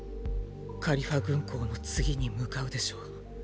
カリファ軍港の次に向かうでしょう。